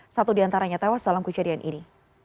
satu diantaranya tewas dalam kejadian ini